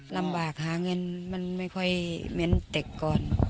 ลำบากหาเงินมันไม่ค่อยเน้นเด็กก่อน